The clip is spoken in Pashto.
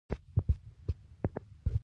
ګڼه ګوڼه وه په کلي په بازار کې.